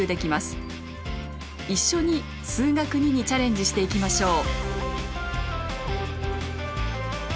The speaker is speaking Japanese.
一緒に「数学Ⅱ」にチャレンジしていきましょう。